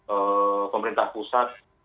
ee pemerintah pusat